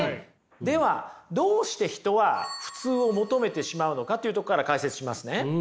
ではどうして人は普通を求めてしまうのかというところから解説しますね。